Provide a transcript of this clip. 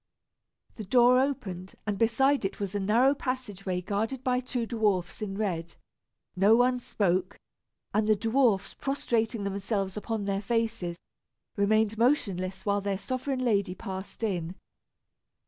The door opened, and behind it was a narrow passage way guarded by two dwarfs in red. No one spoke, and the dwarfs, prostrating themselves upon their faces, remained motionless while their sovereign lady passed in.